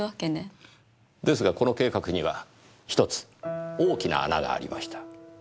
ですがこの計画には１つ大きな穴がありました。